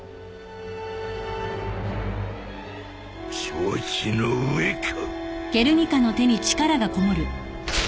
承知の上か。